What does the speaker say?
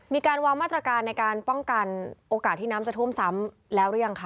มีการวางมาตรการในการป้องกันโอกาสที่น้ำจะท่วมซ้ำแล้วหรือยังคะ